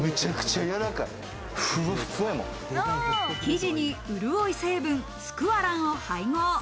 生地に潤い成分、スクワランを配合。